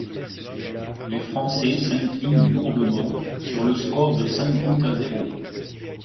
Les Français s'inclinent lourdement sur le score de cinq buts à zéro.